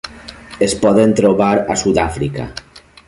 Es poden trobar a Sud-àfrica.